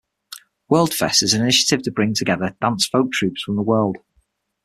Worldfest is an initiative to bring together folk dance troupes from the world.